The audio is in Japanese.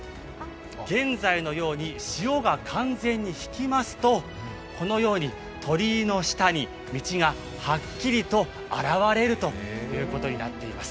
現在のように潮が完全に引きますとこのように鳥居の下に道がはっきりと現れるということになっています。